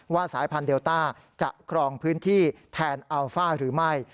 สายพันธุเดลต้าจะครองพื้นที่แทนอัลฟ่าหรือไม่